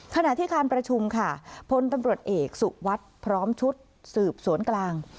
ขณะที่การประชุมค่ะพลตำรวจเอกสุวัสดิ์พร้อมชุดสืบสวนกลาง